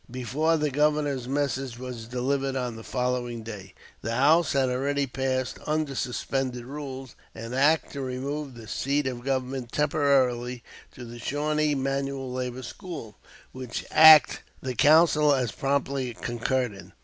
Before the Governor's message was delivered on the following day, the House had already passed, under suspended rules, "An act to remove the seat of government temporarily to the Shawnee Manual Labor School," which act the Council as promptly concurred in.